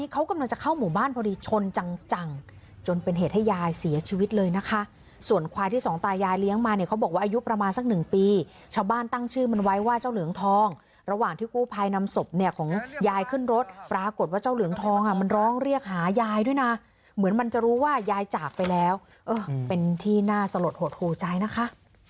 เขากำลังจะเข้าหมู่บ้านพอดีชนจังจังจนเป็นเหตุให้ยายเสียชีวิตเลยนะคะส่วนควายที่สองตายายเลี้ยงมาเนี่ยเขาบอกว่าอายุประมาณสักหนึ่งปีชาวบ้านตั้งชื่อมันไว้ว่าเจ้าเหลืองทองระหว่างที่กู้ภัยนำศพเนี่ยของยายขึ้นรถปรากฏว่าเจ้าเหลืองทองอ่ะมันร้องเรียกหายายด้วยนะเหมือนมันจะรู้ว่ายายจากไปแล้วเป็นที่น่าสลดหดหูใจนะคะ